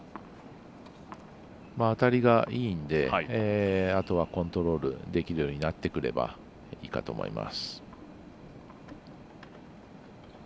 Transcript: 当たりがいいのであとはコントロールできるようになってくればいいかと思います。